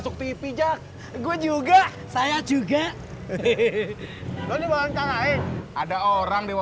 sudah selesai bikin rendangnya